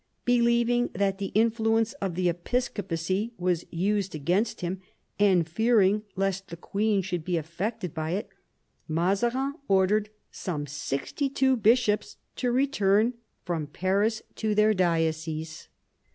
Believing that the influence of the episcopacy was used against him, and fearing lest the queen should be affected by it, Mazarin ordered some sixty two bishops to return from Paris to their dioceses.